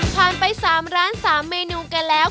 ผ่านไป๓ร้าน๓เมนูกันแล้ว